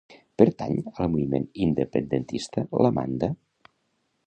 Pertany al moviment independentista l'Amanda?